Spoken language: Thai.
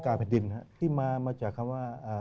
กรรมการผ่านดินที่มามาจากคำว่าเอ่อ